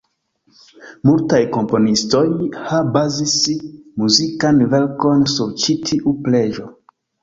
Multaj komponistoj bazis muzikan verkon sur ĉi tiu preĝo.